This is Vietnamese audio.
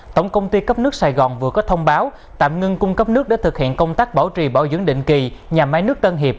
tổng công ty cấp nước sài gòn vừa có thông báo tạm ngưng cung cấp nước để thực hiện công tác bảo trì bảo dưỡng định kỳ nhà máy nước tân hiệp